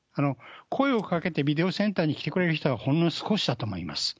声をかけてビデオセンターに来てくれる人は、ほんの少しだと思います。